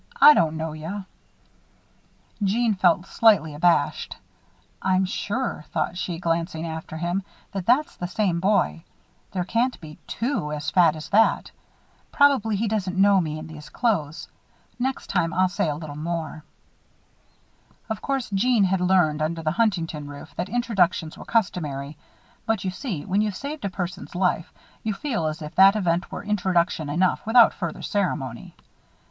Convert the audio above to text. "I don't know yuh." Jeanne felt slightly abashed. "I'm sure," thought she, glancing after him, "that that's the same boy. There can't be two as fat as that. Probably he doesn't know me in these clothes. Next time, I'll say a little more." Of course Jeanne had learned under the Huntington roof that introductions were customary; but you see, when you've saved a person's life you feel as if that event were introduction enough without further ceremony.